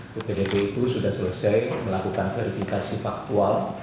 ppdb itu sudah selesai melakukan verifikasi faktual